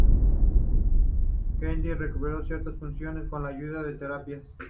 Kennedy recuperó ciertas funciones con la ayuda de terapias.